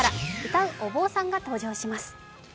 歌うお坊さんが登場します。